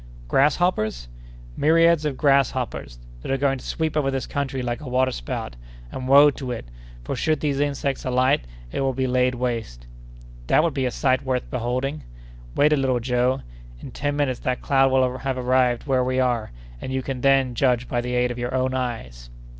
Grasshoppers!" "Myriads of grasshoppers, that are going to sweep over this country like a water spout; and woe to it! for, should these insects alight, it will be laid waste." "That would be a sight worth beholding!" "Wait a little, Joe. In ten minutes that cloud will have arrived where we are, and you can then judge by the aid of your own eyes."